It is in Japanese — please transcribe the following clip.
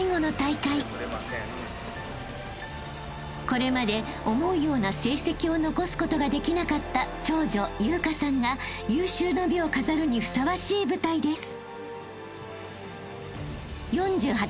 ［これまで思うような成績を残すことができなかった長女由夏さんが有終の美を飾るにふさわしい舞台です］